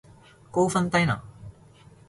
高分低能